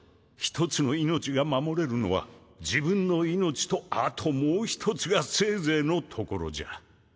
１つの命が守れるのは自分の命とあともう一つがせいぜいのところじゃ。